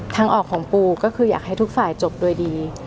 ทางออกของปูก็คืออยากให้ทุกฝ่ายจบโดยดี